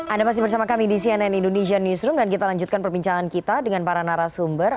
anda masih bersama kami di cnn indonesia newsroom dan kita lanjutkan perbincangan kita dengan para narasumber